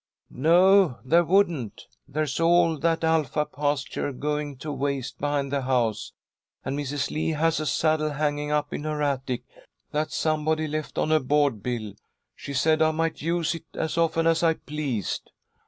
"No, there wouldn't! There's all that alfalfa pasture going to waste behind the house, and Mrs. Lee has a saddle hanging up in her attic that somebody left on a board bill. She said I might use it as often as I pleased."